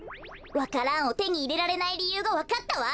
わか蘭をてにいれられないりゆうがわかったわ。